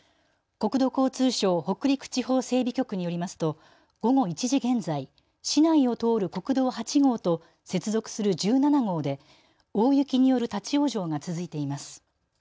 国土交通省北陸地方整備局によりますと午後１時現在、市内を通る国道８号と接続する１７号で大雪による立往生が続いています。